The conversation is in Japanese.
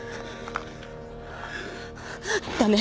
駄目。